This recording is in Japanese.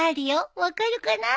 分かるかな？